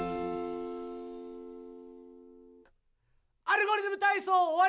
「アルゴリズムたいそう」おわり！